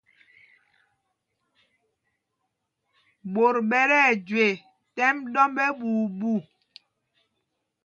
Ɓot ɓɛ tí ɛjüe tɛ́m ɗɔmb ɛ́ɓuuɓu.